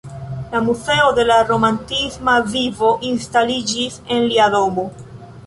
La Muzeo de la romantisma vivo instaliĝis en lia domo.